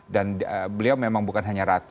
dan beliau memang bukan hanya ratu